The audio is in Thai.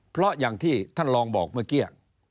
เพราะอย่างที่ท่านลองบอกเมื่อกี้